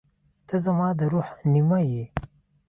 • ته زما د روح نیمه یې.